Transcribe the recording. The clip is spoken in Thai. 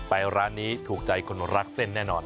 ร้านนี้ถูกใจคนรักเส้นแน่นอน